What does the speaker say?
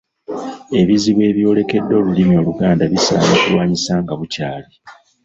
Ebizibu ebyolekedde Olulimi Oluganda bisaana kulwanyisa nga bukyali.